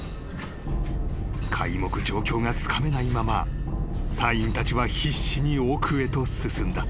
［皆目状況がつかめないまま隊員たちは必死に奥へと進んだ］